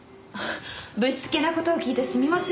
ぶしつけな事を聞いてすみません。